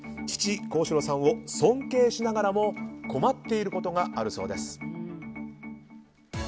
父・幸四郎さんを尊敬しながらも困っていることがあるそうです。